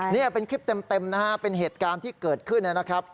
นี่เป็นคลิปเต็มนะฮะเป็นเหตุการณ์ที่เกิดขึ้นนะครับ